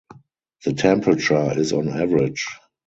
The temperature is on average.